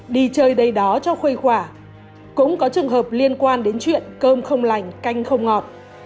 đi chơi đầy đó cho khuây quả cũng có trường hợp liên quan đến chuyện cơm không lành canh không ngọt